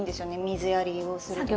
水やりをする時。